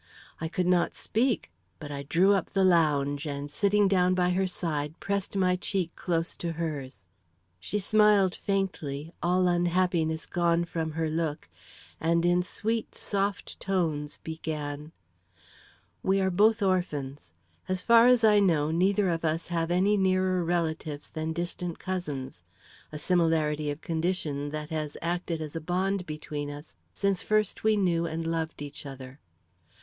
I could not speak, but I drew up the lounge, and sitting down by her side, pressed my cheek close to hers. She smiled faintly, all unhappiness gone from her look, and in sweet, soft tones, began: "We are both orphans. As far as I know, neither of us have any nearer relatives than distant cousins; a similarity of condition that has acted as a bond between us since we first knew and loved each other.